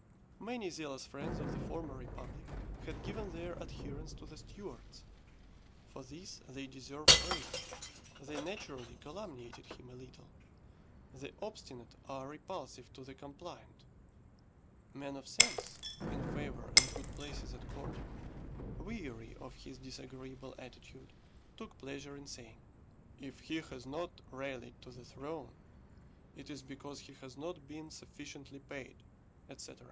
Many zealous friends of the former republic had given their adherence to the Stuarts. For this they deserve praise. They naturally calumniated him a little. The obstinate are repulsive to the compliant. Men of sense, in favour and good places at Court, weary of his disagreeable attitude, took pleasure in saying, "If he has not rallied to the throne, it is because he has not been sufficiently paid," etc.